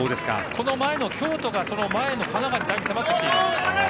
この前の京都がその前の神奈川にだいぶ迫ってきています。